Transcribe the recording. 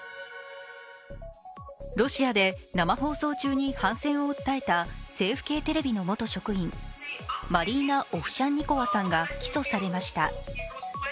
ロシアで生放送中に反戦を訴えた政府系テレビの元職員、マリーナ・オフシャンニコワさんが起訴されました。